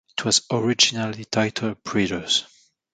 It was originally titled "Breeders".